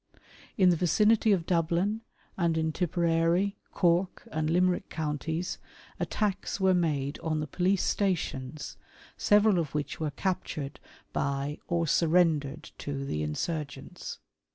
" In the vicinity of Dublin, and in Tipperary, Cork, and Limerick counties, attacks were made on the police stations, several of which were captured by or surrendered to the insurgents.